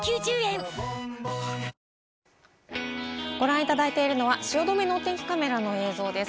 ご覧いただいているのは汐留のお天気カメラの映像です。